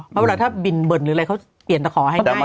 แล้วเวลาถ้าบินเบิร์นหรืออะไรเขาเปลี่ยนตะขอให้ง่ายกว่า